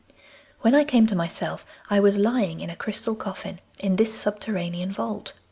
'When I came to myself I was lying in a crystal coffin in this subterranean vault.